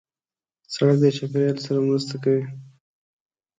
سړک د چاپېریال سره مرسته کوي.